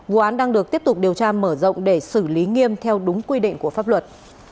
vụ án đang được tiếp tục điều tra mở rộng để xử lý nghiêm theo đúng quy định của pháp luật